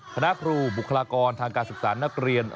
คณะครูบุคลากรทางการศึกษานักเรียน